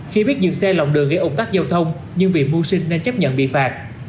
khi biết dựng xe lòng đường gây ổn tắc giao thông nhưng vì mua sinh nên chấp nhận bị phạt